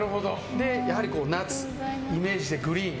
やはり夏イメージでグリーン。